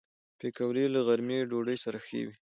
پکورې له غرمې ډوډۍ سره ښه وي